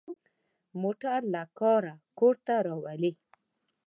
موټر له کاره کور ته راولي.